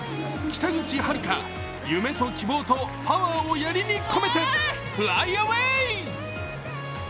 北口榛花、夢と希望とパワーをやりに込めてフライアウェイ！